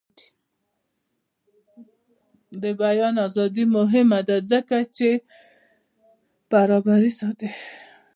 د بیان ازادي مهمه ده ځکه چې برابري ساتي.